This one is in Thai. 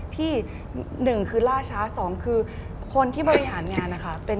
ที่๑คือล่าช้าสองคือคนที่บริหารงานนะคะ